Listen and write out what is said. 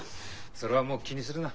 それはもう気にするな。